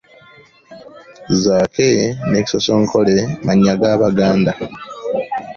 Zaake ne Kisosonkole mannya ga Baganda.